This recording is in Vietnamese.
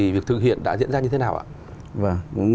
việc thực hiện đã diễn ra như thế nào ạ